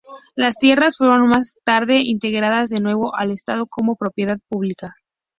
Las tierras fueron más tarde integradas de nuevo al estado como propiedad pública.